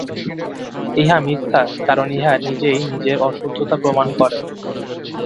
ইহা মিথ্যা, কারণ ইহা নিজেই নিজের অশুদ্ধতা প্রমাণ করে।